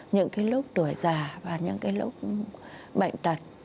những cái lúc tuổi già và những cái lúc bệnh tật